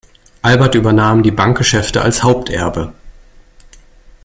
Albert übernahm die Bankgeschäfte als Haupterbe.